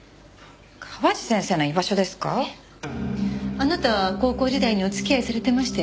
あなた高校時代にお付き合いされてましたよね？